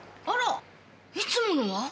あらいつものは？